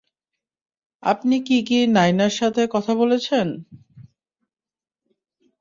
আপনি কি কি নাইনার সাথে কথা বলেছেন?